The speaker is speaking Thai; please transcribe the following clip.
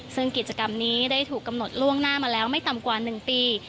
ซึ่งกิจกรรมนี้ได้ถูกกำหนดล่วงหน้ามาแล้วไม่ต่ำกว่า๑ปี